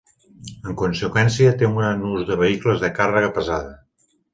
En conseqüència, té un gran ús de vehicles de càrrega pesada.